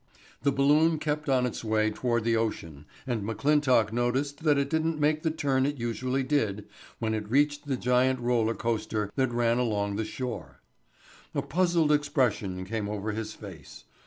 The balloon kept on its way toward the ocean and McClintock noticed that it didn't make the turn it usually did when it reached the giant roller coaster that ran along the shore. A puzzled expression came over his face.